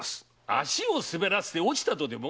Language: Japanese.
足を滑らせて落ちたとでも？